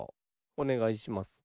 おねがいします。